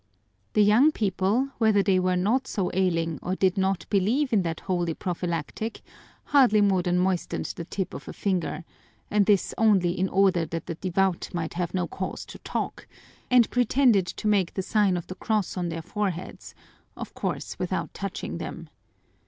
The young people, whether they were not so ailing or did not believe in that holy prophylactic, hardly more than moistened the tip of a finger and this only in order that the devout might have no cause to talk and pretended to make the sign of the cross on their foreheads, of course without touching them.